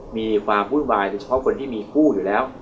มีความวุ่นวายโดยเฉพาะคนที่มีคู่อยู่แล้ว